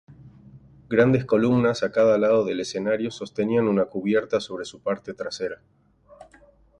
Grandes columnas a cada lado del escenario sostenían una cubierta sobre su parte trasera.